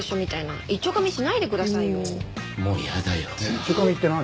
いっちょがみって何？